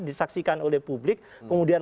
disaksikan oleh publik kemudian